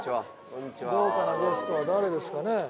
豪華なゲストは誰ですかね？